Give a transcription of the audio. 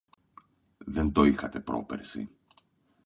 Δεν το είχατε πρόπερσι.